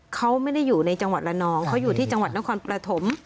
เขาไม่ได้อยู่ในจังหวัดละนองเขาอยู่ที่จังหวัดนครปฐม